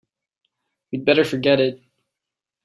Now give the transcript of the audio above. We'd better forget it.